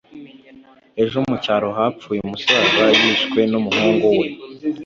ejo mucyaro hapfuye umusaza yishwe n’umuhungu we